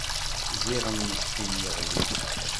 Ziɣen meskin yeɣli.